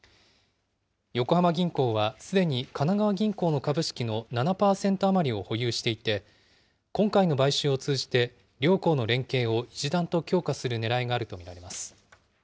横浜銀行はすでに神奈川銀行の株式の７％余りを保有していて、今回の買収を通じて両行の連携を一段と強化するねらいがあると見られます。